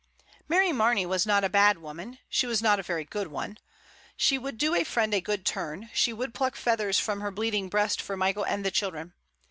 Mary Marney was not a bad woman, she was not a very good one; she would do a friend a good turn, she would pluck the feathers from her bleed ing breast for Michael and the children.